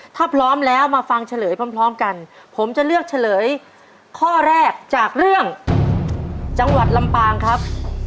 ถ้าพร้อมแล้วมาฟังเฉลยพร้อมกันผมจะเลือกเฉลยข้อแรกจากเรื่องจังหวัดลำปางครับ